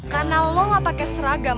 karena lu gak pakai seragam